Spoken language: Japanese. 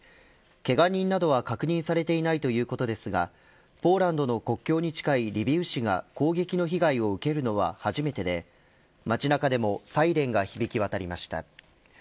けが人などは確認されていないということですがポーランドの国境に近いリビウ市が攻撃の被害を受けるのは初めてで街中でもサイレンが響き渡りました。